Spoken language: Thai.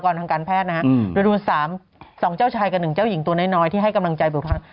โดยรูปสาม๒เจ้าชายกัน๑เจ้าหญิงตัวน้อยที่ให้กำลังใจบุคล